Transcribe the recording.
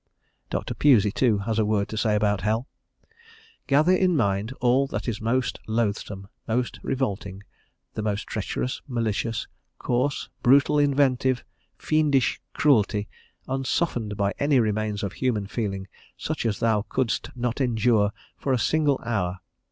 Dr. Pusey, too, has a word to say about hell: "Gather in mind all that is most loathsome, most revolting the most treacherous, malicious, coarse, brutal, inventive, fiendish cruelty, unsoftened by any remains of human feeling, such as thou couldst not endure for a single hour....